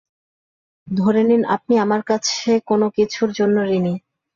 ধরে নিন, আপনি আমার কাছে কোনও কিছুর জন্য ঋণী।